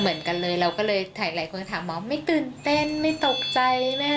เหมือนกันเลยเราก็เลยถ่ายหลายคุณฐานไม่ตื่นเต้นไม่ตกใจ